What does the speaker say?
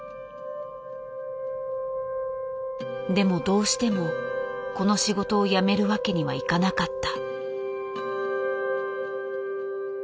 でもどうしてもこの仕事を辞めるわけにはいかなかった。